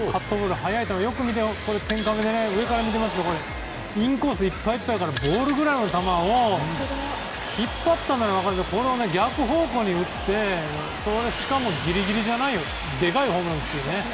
速い球をよく見て天カメで上から見ていますがインコースいっぱいできたからボールくらいの球を引っ張ったなら分かるんですが逆方向に打ってしかも、ギリギリじゃないでかいホームランですよね。